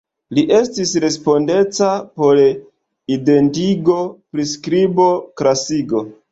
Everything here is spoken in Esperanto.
Li estis respondeca por identigo, priskribo, klasigo.